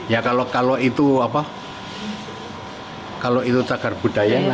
ya kalau itu tak terpaksa